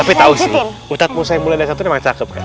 tapi tau sih ustadz musa yang mulia dasa tun emang cakep kan